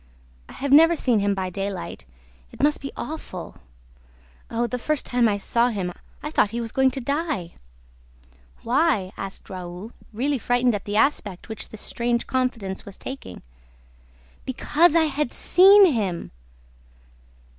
I have never seen him by daylight ... it must be awful! ... Oh, the first time I saw him! ... I thought that he was going to die." "Why?" asked Raoul, really frightened at the aspect which this strange confidence was taking. "BECAUSE I HAD SEEN HIM!"